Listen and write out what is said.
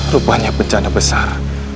rupanya bencana besar